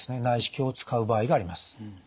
内視鏡を使う場合があります。